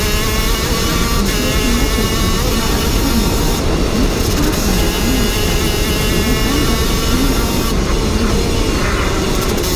Teilweise fungierten Metal-Künstler als Co-Moderatoren oder übernahmen die Präsentation einiger von ihnen ausgesuchter Musikvideos.